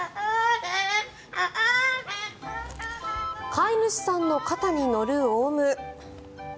飼い主さんの肩に乗るオウム。